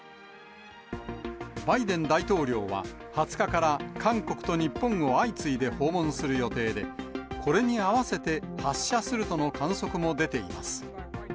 バイデン大統領は２０日から韓国と日本を相次いで訪問する予定で、これに合わせて発射するとの観測も出ています。